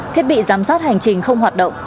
thiết bị giám sát hành trình không hoạt động